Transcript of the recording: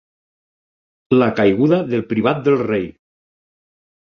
La caiguda del privat del rei.